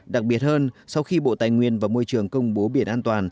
đặc biệt hơn sau khi bộ tài nguyên và môi trường công bố biển an toàn